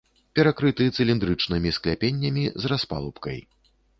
Перакрыты цыліндрычнымі скляпеннямі з распалубкай.